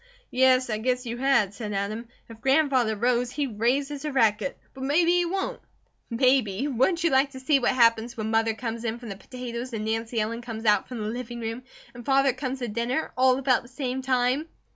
"Yes, I guess you had," said Adam. "If Grandfather rows, he raises a racket. But maybe he won't!" "Maybe! Wouldn't you like to see what happens when Mother come in from the potatoes and Nancy Ellen comes out from the living room, and Father comes to dinner, all about the same time?"